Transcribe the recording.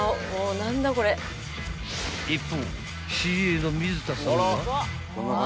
［一方］